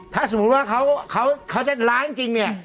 ถ้าสมมุติว่าเขาจะล้างจริงเนี่ย